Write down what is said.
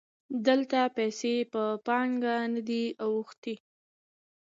دلته پیسې په پانګه نه دي اوښتي